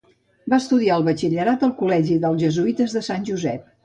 Va estudiar el batxillerat al Col·legi dels Jesuïtes de Sant Josep.